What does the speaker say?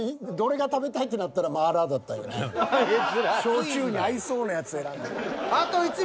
焼酎に合いそうなやつ選んだ。